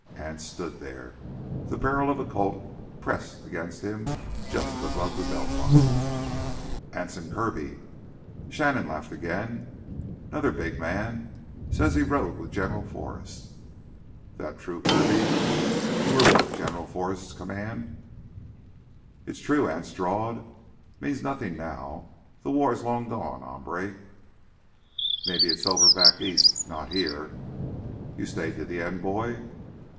Anse stood there, the barrel of a Colt pushed against him just above the belt line. "Anson Kirby." Shannon laughed again. "'Nother big man—says he rode with General Forrest!" "That true, Kirby, you were one of General Forrest's command?" "It's true," Anse drawled. "Mean's nothin' now, th' war's long gone, hombre." "Maybe it's over back east—not here! You stayed to the end, boy?"